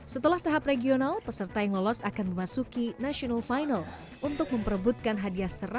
setelah tahap regional peserta yang lolos akan memasuki national final untuk memperebutkan hadiah